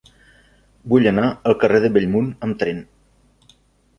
Vull anar al carrer de Bellmunt amb tren.